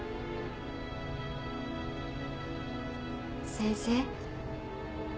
先生。